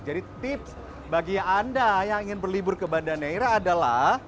jadi tips bagi anda yang ingin berlibur ke banda neira adalah